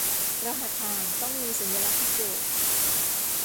รหัสผ่านต้องมีสัญลักษณ์พิเศษ